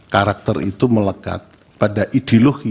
karakter itu melekat pada ideologi